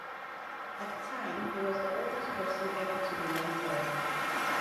At the time, he was the oldest person ever to be knighted.